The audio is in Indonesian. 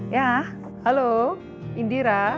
yah halo indira